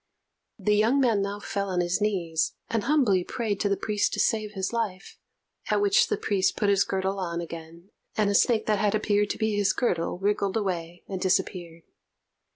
The young man now fell on his knees, and humbly prayed the priest to save his life; at which the priest put his girdle on again, and a snake that had appeared to be his girdle, wriggled away and disappeared.